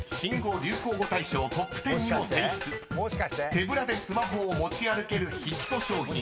［手ぶらでスマホを持ち歩けるヒット商品］